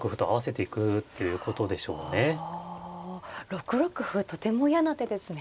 ６六歩はとても嫌な手ですね。